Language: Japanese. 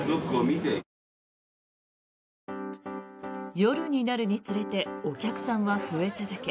夜になるにつれてお客さんは増え続け